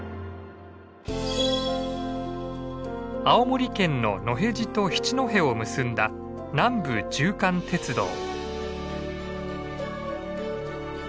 青森県の野辺地と七戸を結んだ南部縦貫鉄道。